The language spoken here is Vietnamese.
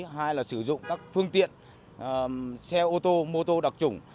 hay là sử dụng các phương tiện xe ô tô mô tô đặc trùng